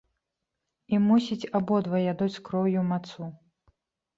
І, мусіць, абодва ядуць з кроўю мацу!